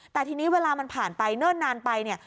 แต่ทีนี้เวลามันผ่านไปเนิ่นนานไปเนี่ย